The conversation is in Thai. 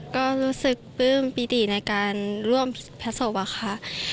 ก็รู้สึกปื้มปีตีในการร่วมพระสวรรคค่ะ